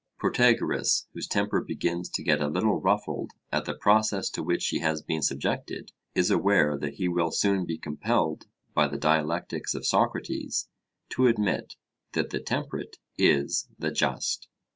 Protagoras, whose temper begins to get a little ruffled at the process to which he has been subjected, is aware that he will soon be compelled by the dialectics of Socrates to admit that the temperate is the just.